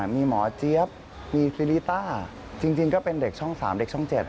มีหมอเจี๊ยบมีฟิริต้าจริงก็เป็นเด็กช่อง๓เด็กช่อง๗